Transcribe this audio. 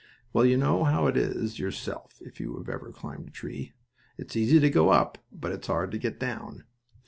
Well, you know how it is yourself, if you have ever climbed a tree. It's easy to go up, but it's hard to get down.